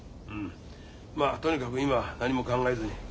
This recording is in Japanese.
まあとにかく今は何も考えずにゆっくり休め。